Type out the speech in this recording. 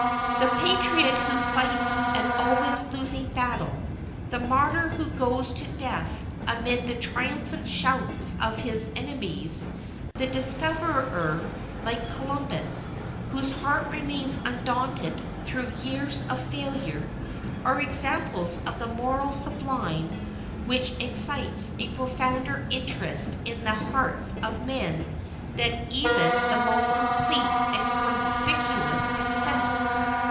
The patriot who fights an always losing battle, the martyr who goes to death amid the triumphant shouts of his enemies, the discoverer, like Columbus, whose heart remains undaunted through years of failure, are examples of the moral sublime which excites a profounder interest in the hearts of men than even the most complete and conspicuous success.